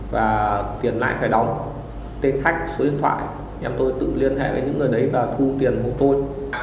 và tiền lại phải đóng tên khách số điện thoại em tôi tự liên hệ với những người đấy và thu tiền của tôi